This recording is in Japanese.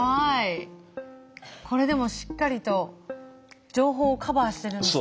これでもしっかりと情報をカバーしてるんですね。